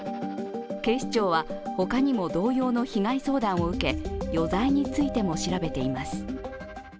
警視庁は、他にも同様の被害相談を受け余罪についても調べています。